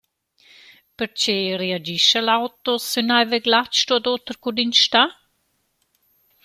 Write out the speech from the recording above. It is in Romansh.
Perche reagischa l’auto sün naiv e glatsch tuot oter co d’instà?